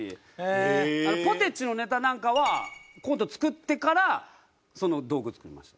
ポテチのネタなんかはコント作ってからその道具を作りました。